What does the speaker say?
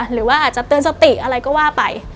หรือว่าอาจจะเตือนสติอะไรก็ว่าไป